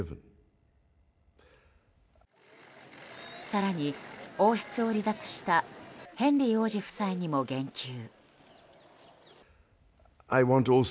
更に王室を離脱したヘンリー王子夫妻にも言及。